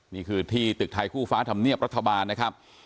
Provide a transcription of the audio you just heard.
นี่คือที่ตึกไทยคู่ฟ้าธรรมเนียบรัฐบาลนะครับ